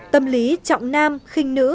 tâm lý trọng nam khi trở thành con trai